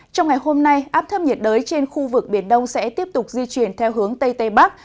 trong ngày hôm nay áp thấp nhiệt đới trên khu vực biển đông sẽ tiếp tục di chuyển theo hướng tây tây bắc